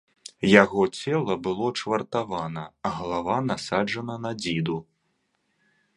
Яго цела было чвартавана, а галава насаджана на дзіду.